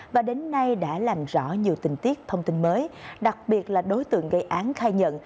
và đến nay đã làm rõ nhiều tình tiết thông tin mới đặc biệt là đối tượng gây án khai nhận